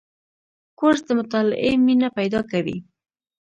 کورس د مطالعې مینه پیدا کوي.